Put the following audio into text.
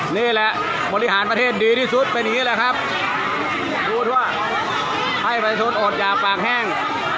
นี่แหละบริหารประเทศดีที่สุดเป็นอย่างนี้แหละครับพูดว่าให้ประชาชนอดอย่าปากแห้ง